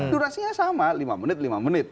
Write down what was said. durasinya sama lima menit lima menit